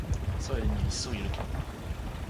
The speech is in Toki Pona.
soweli ni li suwi lukin.